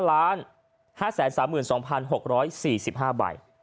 แล้วก็เป็น๓๕๕๓๒๖๔๕ใบ